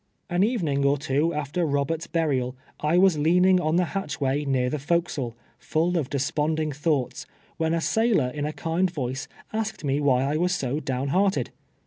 An evening or two after Robert's burial, I was leaning on the hatchway near the forecastle, full of desj)onding thoughts, when a sailor in a kind voice asked me why I was so down hearted.